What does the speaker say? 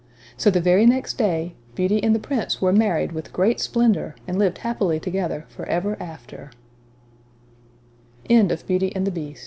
So the very next day, Beauty and the Prince were married with great splendor, and lived happily together for ever after. NEW PICTURE BOOKS.